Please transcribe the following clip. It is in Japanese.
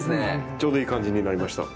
ちょうどいい感じになりました。